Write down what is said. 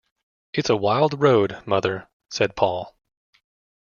“It’s a wild road, mother,” said Paul.